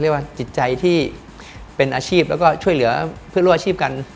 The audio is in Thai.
จิตใจที่เป็นอาชีพแล้วก็ช่วยเหลือเพื่อนร่วมอาชีพกัน